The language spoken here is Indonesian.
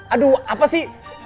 aduh apa sih